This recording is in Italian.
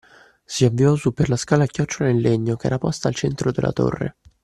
Si avviò su per la scala a chiocciola in legno che era posta al centro della torre